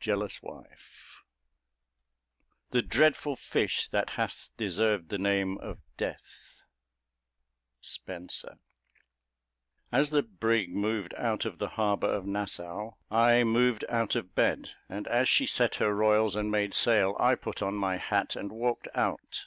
"Jealous Wife." The dreadful fish that hath deserved the name Of Death. SPENSER. As the brig moved out of the harbour of Nassau, I moved out of bed; and as she set her royals and made sail, I put on my hat and walked out.